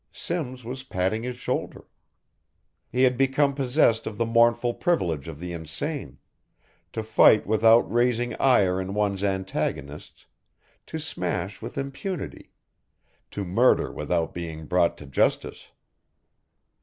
Simms was patting his shoulder. He had become possessed of the mournful privilege of the insane, to fight without raising ire in one's antagonists, to smash with impunity to murder without being brought to justice.